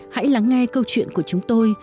hãy lắng nghe câu chuyện của chúng tôi